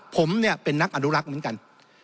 ผมเนี่ยเป็นนักอนุรักษ์เหมือนกัน